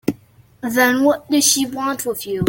Then what does she want with you?